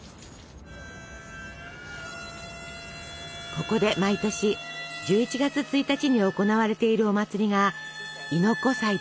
ここで毎年１１月１日に行われているお祭りが亥子祭です。